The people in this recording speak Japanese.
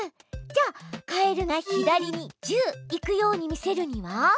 じゃあカエルが左に「１０」行くように見せるには？